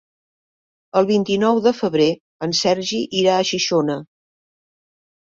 El vint-i-nou de febrer en Sergi irà a Xixona.